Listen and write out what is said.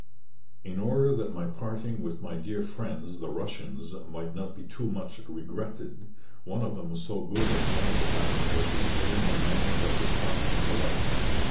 In order that my parting with my dear friends, the Russians, might not be too much regretted, one of them was so good at the end of the passage as to behave in a manner that was far from polite.